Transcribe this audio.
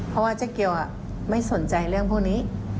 เพราะว่าเจ๊เกียวไม่สนใจเรื่องพวกนี้